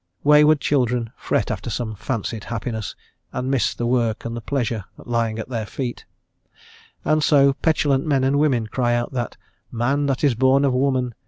Wayward children fret after some fancied happiness and miss the work and the pleasure lying at their feet, and so petulant men and women cry out that "man that is born of woman...